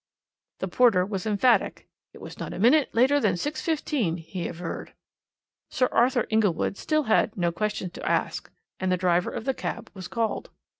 The porter was emphatic. 'It was not a minute later than 6.15,' he averred. "Sir Arthur Inglewood still had no questions to ask, and the driver of the cab was called.